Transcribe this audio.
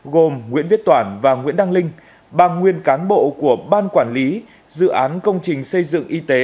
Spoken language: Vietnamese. gồm nguyễn viết toản và nguyễn đăng linh bà nguyên cán bộ của ban quản lý dự án công trình xây dựng y tế